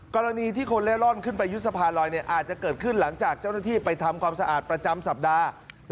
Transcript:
กรณีที่คนเล่ร่อนขึ้นไปยึดสะพานลอยอาจจะเกิดขึ้นหลังจากเจ้าหน้าที่ไปทำความสะอาดประจำสัปดาห์